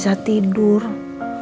apa yang aku lakuin